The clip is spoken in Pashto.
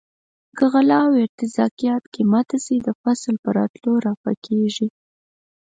که غله او ارتزاقیات قیمته شي د فصل په راتلو رفع کیږي.